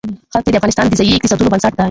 ښتې د افغانستان د ځایي اقتصادونو بنسټ دی.